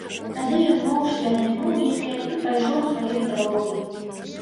Тады ён моўчкі абмінуў яе і пайшоў сваёй дарогай.